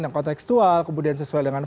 yang konteksual kemudian sesuai dengan